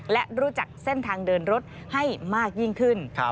และรู้จักเส้นทางเดินรถให้มากยิ่งขึ้น